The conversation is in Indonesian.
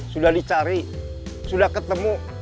sudah dicari sudah ketemu